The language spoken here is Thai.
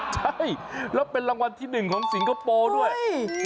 ใช่แล้วเป็นรางวัลที่๑ของสิงคโปร์ด้วย